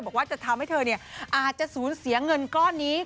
บอกว่าจะทำให้เธออาจจะสูญเสียเงินก้อนนี้